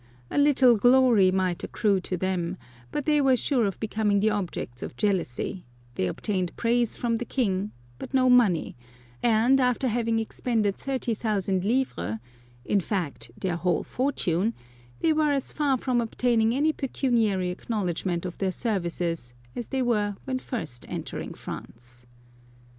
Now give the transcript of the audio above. A little glory might accrue to them, but they were sure of becoming the objects of jealousy ; they obtained praise from the king, but no money ; and after having expended 30,000 livres — in fact, their whole fortune — they were as far from obtaining any pecuniary acknowledgment of their services as they were when first entering France.